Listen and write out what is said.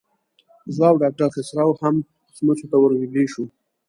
زه او ډاکټر خسرو هم سموڅې ته ورنږدې شو.